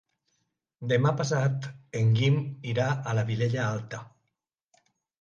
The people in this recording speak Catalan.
Demà passat en Guim irà a la Vilella Alta.